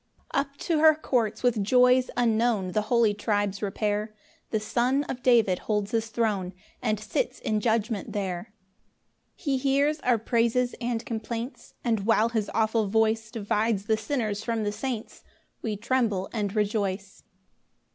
3 Up to her courts with joys unknown The holy tribes repair; The Son of David holds his throne, And sits in judgment there. 4 He hears our praises and complaints; And while his awful voice Divides the sinners from the saints, We tremble and rejoice.